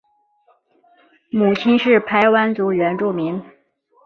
母亲是排湾族原住民。